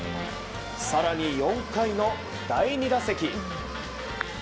更に、４回の第２打席。